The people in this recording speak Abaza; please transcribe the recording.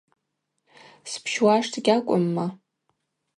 Сбщуаштӏ гьакӏвымма?